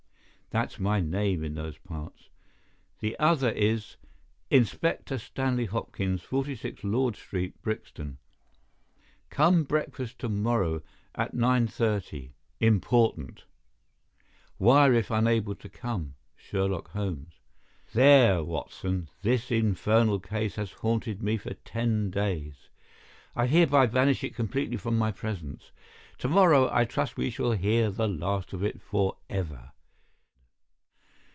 That's my name in those parts. The other is: 'Inspector Stanley Hopkins, 46 Lord Street, Brixton. Come breakfast to morrow at nine thirty. Important. Wire if unable to come.—Sherlock Holmes.' There, Watson, this infernal case has haunted me for ten days. I hereby banish it completely from my presence. To morrow, I trust that we shall hear the last of it forever."